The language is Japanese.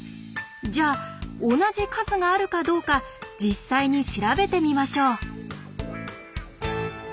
じゃあ同じ数があるかどうか実際に調べてみましょう。